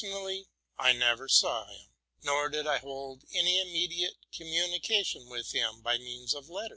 I never saw him, nor did I hold any immediate communi sation with him by correspondence.